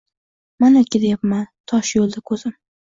Mana, ketayapman tosh yo’lda ko’zim